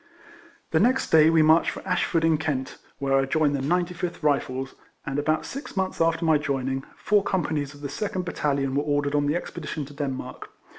The next day we marched for Ashford, in Kent, wdiere I joined the 95th Rifles, and about six months after my joining, four companies of the second battahon were or dered on the expedition to Denmark.